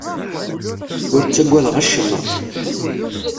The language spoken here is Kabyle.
Ur ttaggadeɣ acemma.